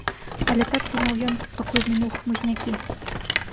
Але так думаў ён, пакуль мінуў хмызнякі.